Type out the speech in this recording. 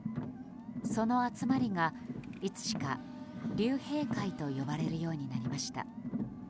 その集まりが、いつしか竜兵会と呼ばれるようになりました。